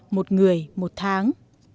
một người một tháng